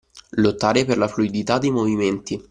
Lottare per la fluidità dei movimenti.